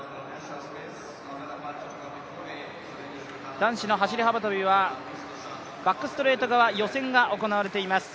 男子の走幅跳はバックストレート側、予選が行われています。